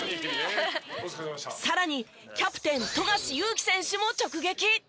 さらにキャプテン富樫勇樹選手も直撃！